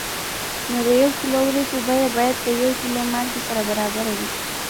نو د یو کیلو وریجو بیه باید د یو کیلو مالګې سره برابره وي.